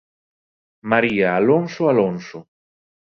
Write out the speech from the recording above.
María Alonso Alonso.